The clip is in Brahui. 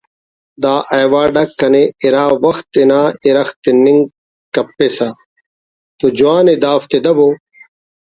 دا ایوارڈ آک کنے اِرا وخت انا اِرغ تننگ کپسہ تو جوان ءِ دافتے دبو